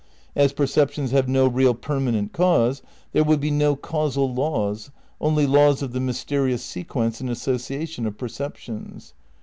As perceptions have no real permanent cause, there will be no causal laws,^ only laws of the mysterious se quence and association of perceptions.